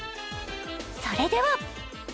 それでは！